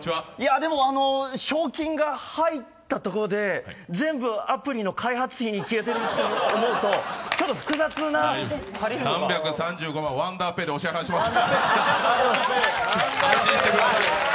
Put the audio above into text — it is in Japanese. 賞金が入ったところで全部アプリの開発費に消えると思うとちょっと複雑な３３５万、ワンダーペイでお支払いします。